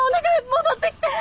戻って来て！